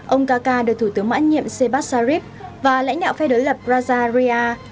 ông kaka được thủ tướng mãn nhiệm sebas sharif và lãnh đạo phe đối lập rajah riyadh